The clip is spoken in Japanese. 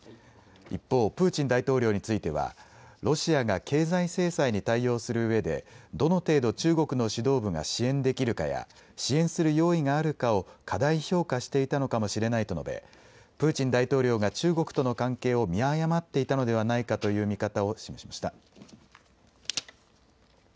一方、プーチン大統領についてはロシアが経済制裁に対応するうえでどの程度中国の指導部が支援できるかや、支援する用意があるかを過大評価していたのかもしれないと述べプーチン大統領が中国との関係を見誤っていたのではないかという見方を示しました。